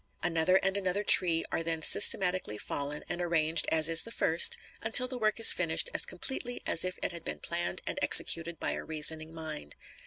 Another and another tree are then systematically fallen and arranged as is the first, until the work is finished as completely as if it had been planned and executed by a reasoning mind.